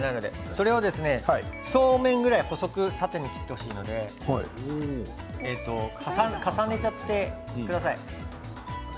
それをそうめんぐらい細く縦に切ってほしいので重ねちゃってください。